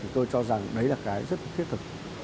tôi cho rằng đấy là cái rất thiết thực